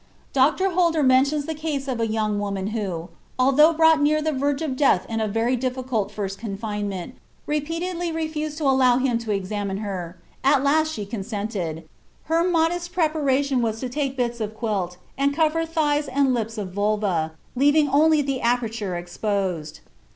Dr. Holder mentions the case of a young woman who, although brought near the verge of death in a very difficult first confinement, repeatedly refused to allow him to examine her; at last she consented; "her modest preparation was to take bits of quilt and cover thighs and lips of vulva, leaving only the aperture exposed....